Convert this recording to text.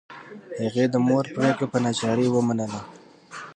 هغې د مور پریکړه په ناچارۍ ومنله